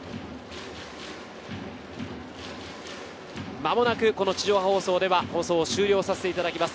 間もなくこの地上波放送では放送終了させていただきます。